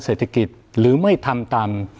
เศรษฐกิจหรือไม่ทำตาม